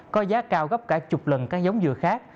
có giá cao gấp cả chục lần các giống dừa khác